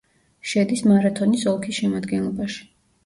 შედის მარათონის ოლქის შემადგენლობაში.